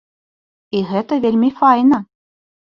І гэта вельмі файна.